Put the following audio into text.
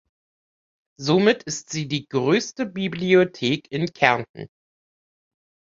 Somit ist sie die größte Bibliothek in Kärnten.